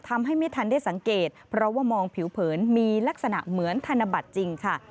ทำให้ไม่ทันได้สังเกตเพราะว่ามองผิวเผินมีลักษณะเหมือนธนบัตรจริงค่ะ